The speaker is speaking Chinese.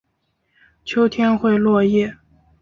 秋天会落叶。